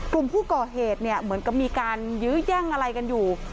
กลุ่มผู้ก่อเหตุเนี่ยเหมือนกับมีการยื้อแย่งอะไรกันอยู่